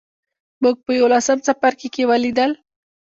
موږ په یوولسم څپرکي کې ولیدل.